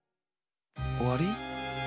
おわり？